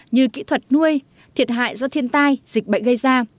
như kỹ thuật nuôi thiệt hại do thiên tai dịch bệnh gây ra